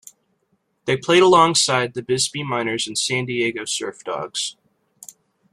They played alongside the Bisbee Miners and San Diego Surf Dawgs.